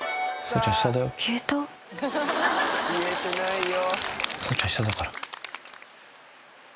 消えてないよ。